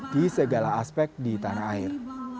di segala aspek di tanah air